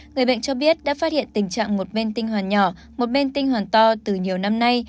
người bệnh cho biết đã phát hiện tình trạng một bên tinh hoàn nhỏ một mên tinh hoàn to từ nhiều năm nay